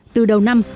từ đầu năm